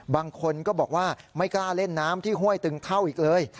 บางคนก็บอกว่าไม่กล้าเล่นน้ำที่ห้วยตึงเท่าอีกเลย